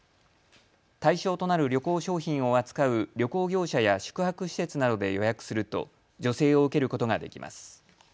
対象となる旅行商品を扱う旅行業者や宿泊施設などで予約すると助成を受けることができます。